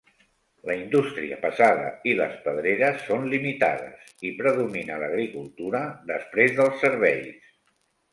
La indústria pesada i les pedreres són limitades, i predomina l'agricultura després dels serveis.